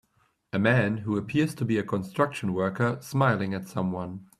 A man who appears to be a construction worker smiling at someone.